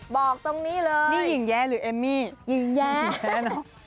บอกตรงนี้เลยหญิงแย้หรือเอมมี่หญิงแย้หญิงแย้เนอะ